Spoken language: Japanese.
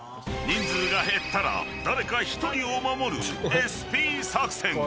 ［人数が減ったら誰か一人を守るＳＰ作戦］